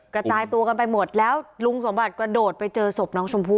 กระจายตัวกันไปหมดแล้วลุงสมบัติกระโดดไปเจอศพน้องชมพู่